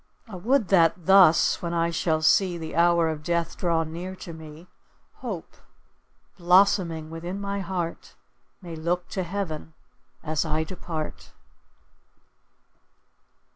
I would that thus, when I shall see The hour of death draw near to me, Hope, blossoming within my heart, May look to heaven as I depart.